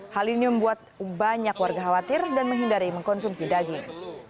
hal ini membuat banyak warga khawatir dan menghindari mengkonsumsi daging